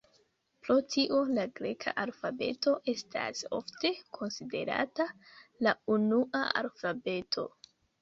Pro tio, la greka alfabeto estas ofte konsiderata la unua alfabeto.